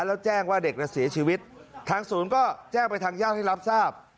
แล้วแจ้งว่าเด็กเสียชีวิตทางศูนย์ก็แจ้งไปทางญาติให้รับทราบ